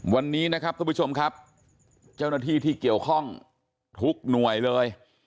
วันนี้นะครับทุกผู้ชมครับเจ้าหน้าที่ที่เกี่ยวข้องทุกหน่วยเลย